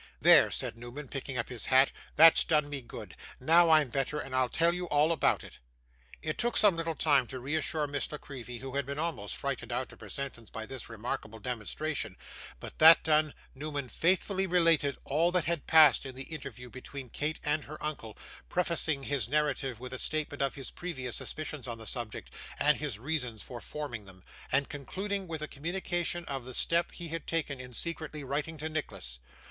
'There,' said Newman, picking up his hat; 'that's done me good. Now I'm better, and I'll tell you all about it.' It took some little time to reassure Miss La Creevy, who had been almost frightened out of her senses by this remarkable demonstration; but that done, Newman faithfully related all that had passed in the interview between Kate and her uncle, prefacing his narrative with a statement of his previous suspicions on the subject, and his reasons for forming them; and concluding with a communication of the step he had taken in secretly writing to Nicholas.